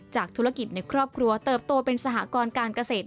ธุรกิจในครอบครัวเติบโตเป็นสหกรการเกษตร